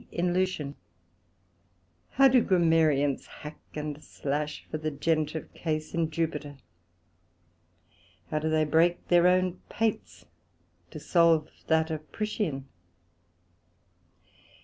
in Lucian: How do Grammarians hack and slash for the Genitive case in Jupiter? How do they break their own pates to salve that of Priscian!